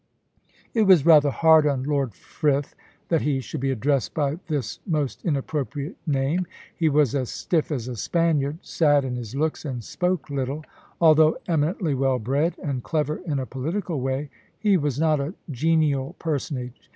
It was rather hard on Lord Frith that he should be addressed by this most inappropriate name. He was as stiff as a Spaniard, sad in his looks, and spoke little. Although eminently well bred, and clever in a political way, he was not a genial personage.